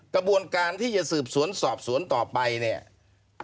กระบวนการที่จะสืบสวนสอบสวนต่อไปเนี่ย